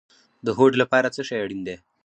د هوډ لپاره څه شی اړین دی؟